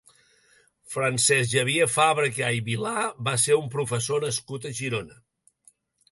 Francesc Xavier Fàbrega i Vilà va ser un professor nascut a Girona.